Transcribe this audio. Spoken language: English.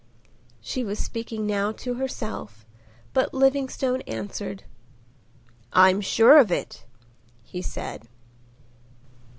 She was speaking now to herself; but Livingstone answered. "I'm sure of it," he said.